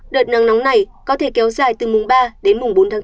đợt nắng nóng này có thể kéo dài từ mùng ba đến mùng bốn tháng bốn